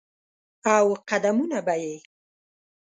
او قدمونه به یې،